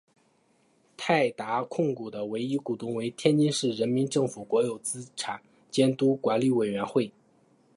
泰达控股的唯一股东为天津市人民政府国有资产监督管理委员会。